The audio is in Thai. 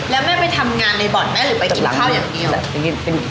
แล้วแม่ไปทำงานในบอร์ดแม่หรือไปกินข้าวอย่างนี้หรอ